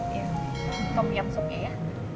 kamu yang suka ya